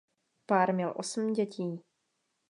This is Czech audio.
Pár měl osm dětí.